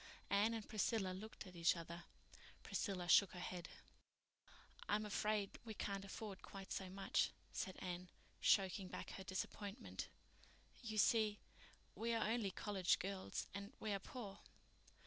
Anne and Priscilla looked at each other. Priscilla shook her head. "I'm afraid we can't afford quite so much," said Anne, choking back her disappointment. "You see, we are only college girls and we are poor."